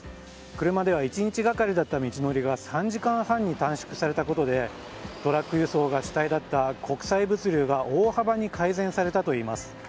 車では１日がかりだった道のりが３時間半に短縮されたことでトラック輸送が主体だった国際物流が大幅に改善されたといいます。